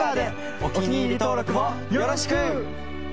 お気に入り登録もよろしく！